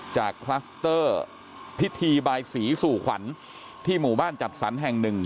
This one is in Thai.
คลัสเตอร์พิธีบายสีสู่ขวัญที่หมู่บ้านจัดสรรแห่งหนึ่ง